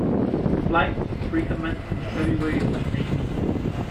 Flights re-commenced in February of the same year.